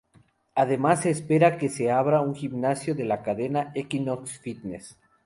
Además, se espera que se abra un gimnasio de la cadena Equinox Fitness.